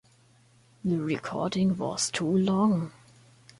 Harriett Maire played Beatrice in the web series "Nothing Much To Do".